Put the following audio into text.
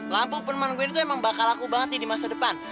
lampu penemuan gue ini tuh emang bakal laku banget ya di masa depan